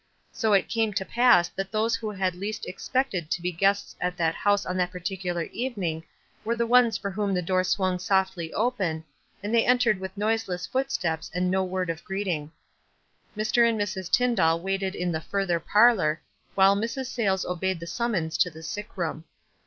So it came to pass that those who had least expected to be guests at that house on that particular evening were the ones for whom the door swung softly open, and the)'' entered with noiseless footsteps and no word of greeting. Mr. and Mrs. Tyndall waited in the further parlor, while Mrs. Sayles obeyed the summons to the sick room.